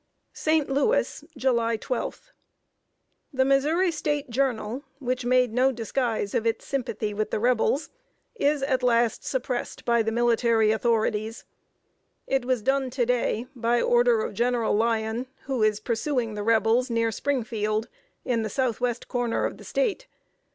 ST. LOUIS, July 12. The Missouri State Journal, which made no disguise of its sympathy with the Rebels, is at last suppressed by the military authorities. It was done to day, by order of General Lyon, who is pursuing the Rebels near Springfield, in the southwest corner of the State.